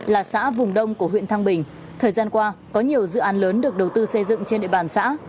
là xã vùng đông của huyện thăng bình thời gian qua có nhiều dự án lớn được đầu tư xây dựng trên địa bàn xã